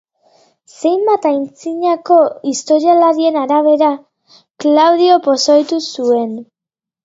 Zenbait antzinako historialarien arabera, Klaudio pozoitu zuen.